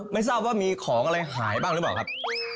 ไม่ทราบว่ามีของอะไรหายบ้างหรือเปล่าครับ